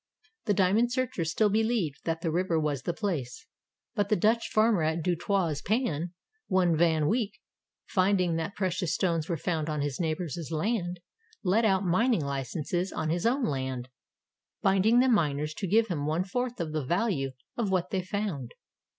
The diamond searchers still believed that the river was the place. But the Dutch farmer at Du Toit's Pan, one Van Wyk, finding that precious stones were found on his neighbor's land, let out mining licenses on his own land, binding the miners to give him one fourth of the value of what they found.